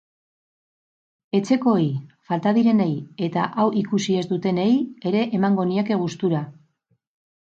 Etxekoei, falta direnei eta hau ikusi ez dutenei ere emango nieke gustura.